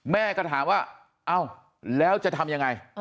แม่ก็ถามว่าเอ้าแล้วจะทำยังไง